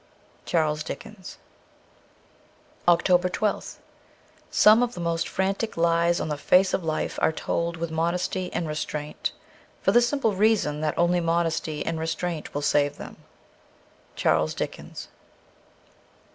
' Charles Dickens' 317 OCTOBER 1 2th SOME of the most frantic lies on the face of life are told with modesty and restraint ; for the simple reason that only modesty and restraint will save them. ' Charles Dickens.'